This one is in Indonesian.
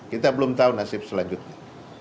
kita belum tahu nasib selanjutnya